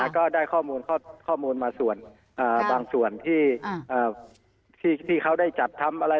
ก็ได้ข้อมูลมาส่วนบางส่วนที่เขาได้จัดทำอะไร